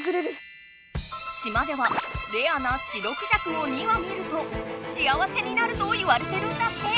島ではレアな白クジャクを２羽見ると幸せになるといわれてるんだって！